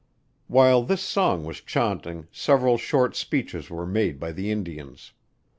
While this song was chaunting, several short speeches were made by the Indians.